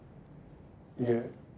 いえ。